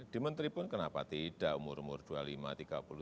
di menteri pun kenapa tidak umur umur dua puluh lima tiga puluh lima